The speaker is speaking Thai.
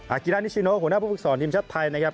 กิรานิชิโนหัวหน้าผู้ฝึกศรทีมชาติไทยนะครับ